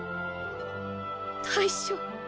大将。